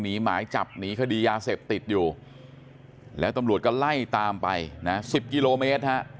หนีหมาให้จับหนีคดียาเสบติดแล้วตำรวจก็ไล่ตามไป๑๐กิโลเมตร